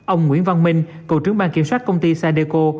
ông nguyễn văn minh cổ trướng bang kiểm soát công ty sadeco